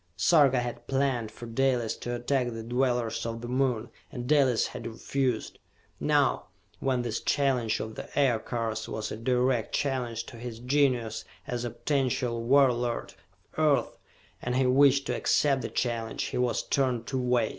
Sarka had planned for Dalis to attack the dwellers of the Moon, and Dalis had refused. Now, when this challenge of the Aircars was a direct challenge to his genius as a potential warlord of earth and he wished to accept the challenge, he was torn two ways.